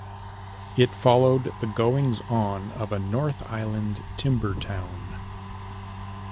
It followed the goings-on of a North Island timber town.